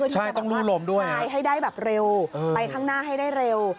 ใช่ต้องลื่นลมด้วยใช้ให้ได้แบบเร็วไปข้างหน้าให้ได้เร็ว